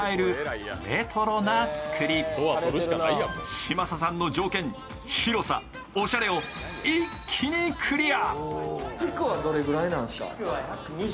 嶋佐さんの条件、広さ、おしゃれを一気にクリア。